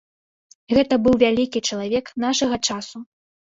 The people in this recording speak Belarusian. Гэта быў вялікі чалавек нашага часу.